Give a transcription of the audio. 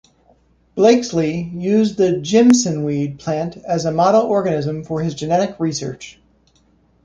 Blakeslee used the jimsonweed plant as a model organism for his genetic research.